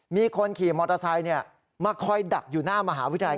มีคนขี่มอเตอร์ไซค์มาคอยดักอยู่หน้ามหาวิทยาลัย